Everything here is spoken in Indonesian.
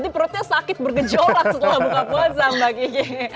ini perutnya sakit bergejolak setelah buka puasa mbak gigi